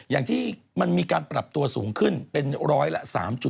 อย่างที่มันมีการปรับตัวสูงขึ้นเป็นร้อยละ๓๕